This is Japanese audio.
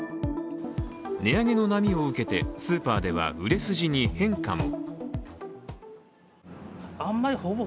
値上げの波を受けて、スーパーでは売れ筋に変化も。